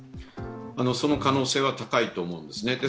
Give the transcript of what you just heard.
その可能性は高いと思うんですね。